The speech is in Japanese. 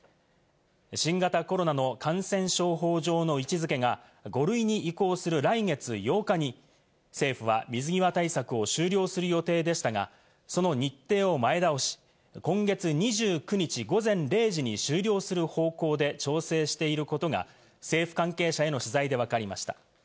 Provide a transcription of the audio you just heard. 新型コロナの感染症法上の位置付けが５類に移行する来月８日に政府は水際対策を終了する予定でしたが、その日程を前倒し、今月２９日午前０時に終了する方向で調整していることが政府関係者への取材でわかりました。